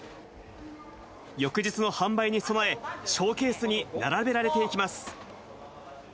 翌日の販売に備え、ショーケースに並べられていきます。